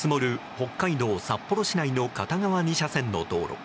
北海道札幌市内の片側２車線の道路。